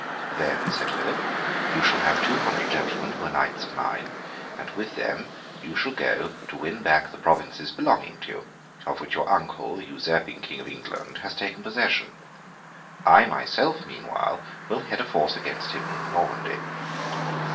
'Then,' said Philip, 'you shall have two hundred gentlemen who are Knights of mine, and with them you shall go to win back the provinces belonging to you, of which your uncle, the usurping King of England, has taken possession. I myself, meanwhile, will head a force against him in Normandy.